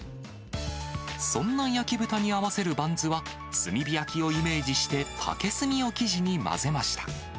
そんな焼き豚に合わせるバンズは、炭火焼きをイメージして、竹炭を生地に混ぜました。